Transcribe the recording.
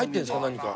何か。